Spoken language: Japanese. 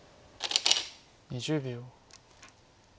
２０秒。